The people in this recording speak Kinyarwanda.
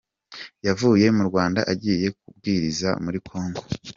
Yavuye mu Rwanda agiye kubwiriza muri Congo.